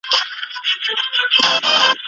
مشرانو به د ملي اردو ملاتړ اعلان کړی وي.